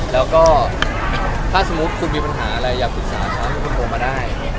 แล้วก็ถ้าสมมุติคุณมีปัญหาอะไรอยากปรึกษาเขาหรือคุณโทรมาได้